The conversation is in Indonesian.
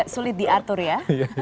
sulit diatur ya